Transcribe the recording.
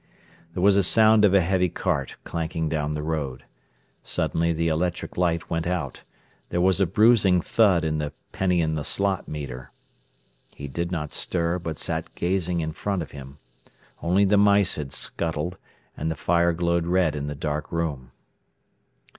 There was a sound of a heavy cart clanking down the road. Suddenly the electric light went out; there was a bruising thud in the penny in the slot meter. He did not stir, but sat gazing in front of him. Only the mice had scuttled, and the fire glowed red in the dark room.